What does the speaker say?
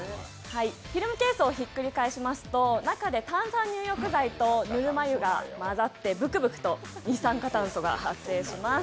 フィルムケースをひっくり返しますと中で炭酸入浴剤とぬるま湯が混ざってぶくぶくと二酸化炭素が発生します。